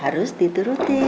harus diturutin ya